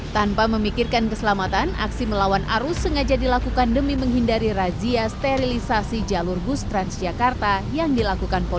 tanpa memikirkan keselamatan aksi melawan arus sengaja dilakukan demi menghindari razia sterilisasi jalur bus transjakarta yang dilakukan polisi